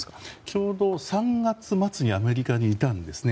ちょうど３月末にアメリカにいたんですね。